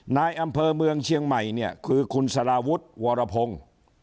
นายอำเภอเมืองเชียงใหม่เนี่ยคือคุณสารวุฒิวรพงศ์